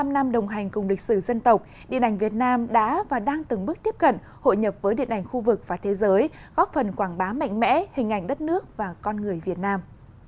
bảy mươi năm năm đồng hành cùng lịch sử dân tộc điện ảnh việt nam đã và đang từng bước tiếp cận hội nhập với điện ảnh khu vực và thế giới góp phần quảng bá mạnh mẽ hình ảnh đất nước và con người việt nam